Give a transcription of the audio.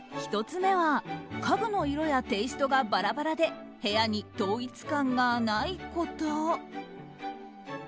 １つ目は家具の色やテイストがバラバラで部屋に統一感がないこと。